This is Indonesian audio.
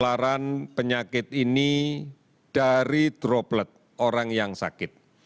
penularan penyakit ini dari droplet orang yang sakit